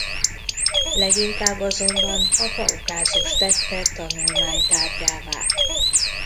Leginkább azonban a Kaukázust tette tanulmány tárgyává.